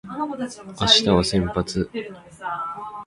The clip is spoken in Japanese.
明日は先発